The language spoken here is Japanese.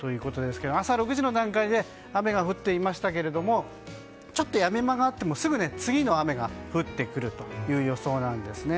朝６時の段階で雨が降っていましたけれどもちょっとやみ間があってもすぐ次の雨が降ってくる予想です。